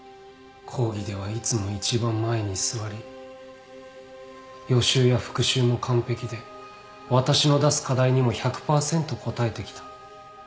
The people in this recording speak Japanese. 講義ではいつも一番前に座り予習や復習も完璧で私の出す課題にも１００％応えてきた。